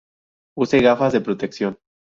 Use gafas de protección.